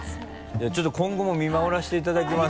ちょっと今後も見守らせていただきます。